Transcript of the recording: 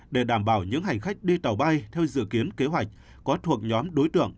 để đảm bảo những hành khách đi tàu bay theo dự kiến kế hoạch có thuộc nhóm đối tượng